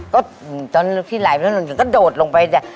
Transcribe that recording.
ก็ตอนที่ไหลบทครองหนุนก็โดดลงไปแบบ